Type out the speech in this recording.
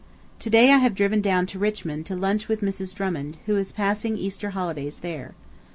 ... To day I have driven down to Richmond to lunch with Mrs. Drummond, who is passing Easter holidays there.